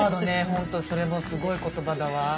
ほんとそれもすごい言葉だわ。